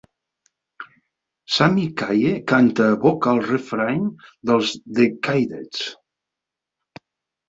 Sammy Kaye canta "Vocal refrain", dels The Kaydets.